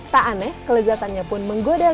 tak aneh kelezatannya pun menggodal